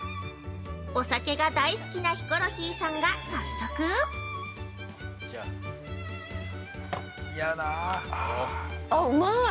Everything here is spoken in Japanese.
お酒が大好きなヒコロヒーさんが早速◆あっ、うまい！